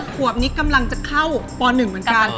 ขวบนี้กำลังจะเข้าป๑เหมือนกัน